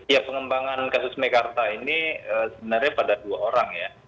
ya pengembangan kasus mekarta ini sebenarnya pada dua orang ya